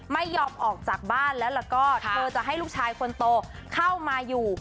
ไม่ยอมออกจากบ้านแล้วก็เธอจะให้ลูกชายคนโตเข้ามาอยู่